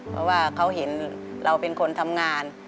เพราะว่าเขาเห็นเราเป็นคนทำงาน